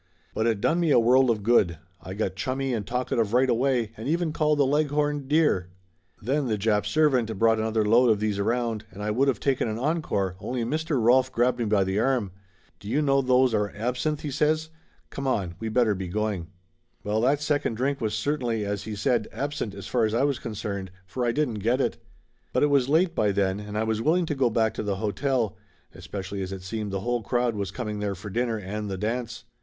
But it done me a world of good. I got chummy and talkative right away and even called the Leghorn, dear. Then the Jap servant brought another load of these around, and I would of taken an encore only Mr. Rolf grabbed me by the arm. "Do you know those are absinth?" he says. "Come on, we'd better be going." Well, that second drink was, certainly, as he said, absent as far as I was concerned, for I didn't get it. But it was late by then and I was willing to go back to the hotel, especially as it seemed the whole crowd was coming there for dinner and the dance.